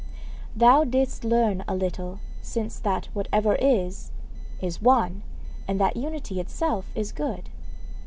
Thou didst learn a little since that whatever is is one, and that unity itself is good.